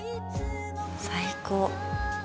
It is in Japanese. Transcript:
最高。